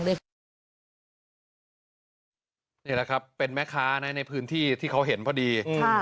นี่แหละครับเป็นแม่ค้าในพื้นที่ที่เขาเห็นพอดี